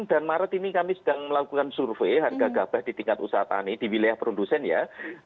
dan maret ini kami sedang melakukan survei harga gabah di tingkat usaha tani di wilayah produsen ya